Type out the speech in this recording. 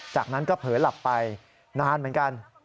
จากนั้นก็เผลอหลับไปนานเหมือนกัน